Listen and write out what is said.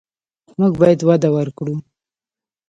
موږ باید وده ورکړو.